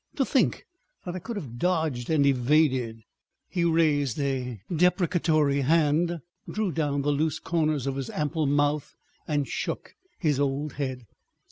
To think that I could have dodged and evaded———" He raised a deprecatory hand, drew down the loose corners of his ample mouth, and shook his old head.